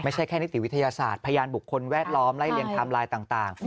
ไม่ใช่แค่นิติวิทยาศาสตร์พยานบุคคลแวดล้อมไล่เลียงไทม์ไลน์ต่าง